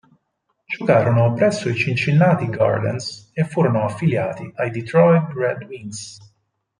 Giocarono presso i Cincinnati Gardens e furono affiliati ai Detroit Red Wings.